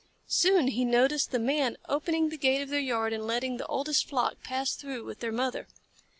Soon he noticed the Man opening the gate of their yard and letting the oldest flock pass through with their mother.